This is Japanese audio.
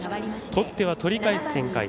取っては取り返す展開。